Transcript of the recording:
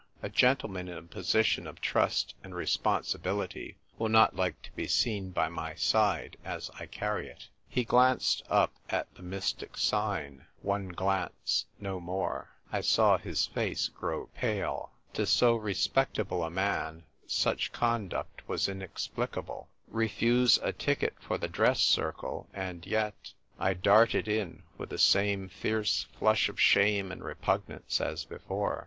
A Gentleman in a position of Trust and Respon sibility will not like to be seen by my side as I carry it." He glanced up at the mystic sign — one glance, no more. I saw his face grow pale. 136 THE TYPE WRITER GIRL. To SO respectable a man such conduct was inexplicable. Refuse a ticket for the dress circle, and yet I darted in, with the same fierce flush of shame and repugnance as before.